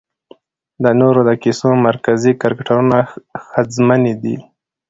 د نورو د کيسو مرکزي کرکټرونه ښځمنې دي